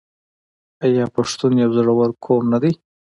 آیا پښتون یو زړور قوم نه دی؟